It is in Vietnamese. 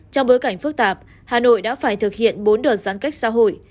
trong bối cảnh phức tạp hà nội đã phải thực hiện bốn đợt giãn cách xã hội